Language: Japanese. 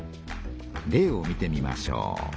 例を見てみましょう。